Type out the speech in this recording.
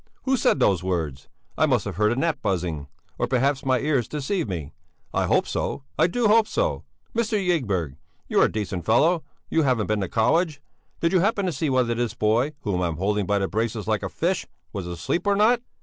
Who said those words? I must have heard a gnat buzzing. Or perhaps my ears deceived me. I hope so! I do hope so! Mr. Ygberg! You are a decent fellow. You haven't been to college. Did you happen to see whether this boy, whom I'm holding by the braces like a fish, was asleep or not?"